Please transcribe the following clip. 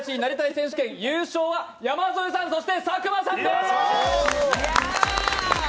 選手権、優勝は山添さん、そして佐久間さんです。